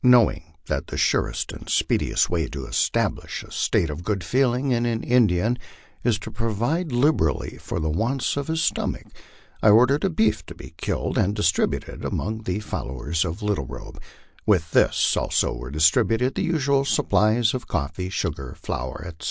Knowing that the surest and speediest way to establish a state of good feeling in an Indian is to provide liberally for the wants of his stomach, I or dered a beef to be killed and distributed among the followers of Little Robe; with this also were distributed the usual supplies of coffee, sugar, flour, etc.